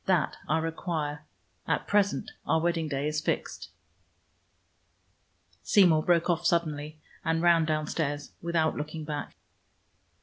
That I require. At present our wedding day is fixed." Seymour broke off suddenly and ran downstairs without looking back.